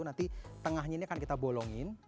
nanti tengahnya ini akan kita bolongin